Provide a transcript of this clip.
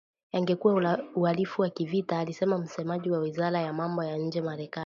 yangekuwa uhalifu wa kivita, alisema msemaji wa wizara ya mambo ya nje Marekani